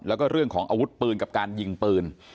แล้วก็เรื่องของอาวุธปืนกับการยิงปืน